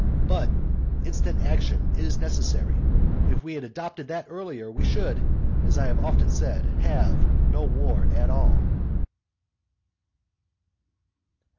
But instant action is necessary. And if we had adopted that earlier, we should, as I have often said, now have no war at all.